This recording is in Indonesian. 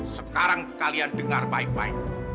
sekarang kalian dengar baik baik